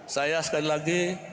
saya sekali lagi